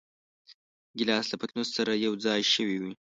ګیلاس له پتنوس سره یوځای وي.